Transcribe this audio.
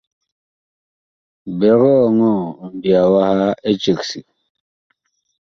Biig ɔŋɔɔ mbiya waha eceg sig.